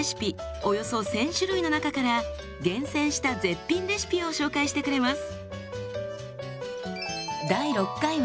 およそ１，０００種類の中から厳選した絶品レシピを紹介してくれます。